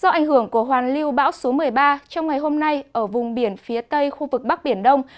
do ảnh hưởng của hoàn lưu bão số một mươi ba trong ngày hôm nay ở vùng biển phía tây khu vực bắc biển đông